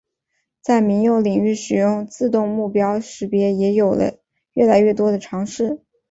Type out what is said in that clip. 在民用领域使用自动目标识别也有着越来越多的尝试。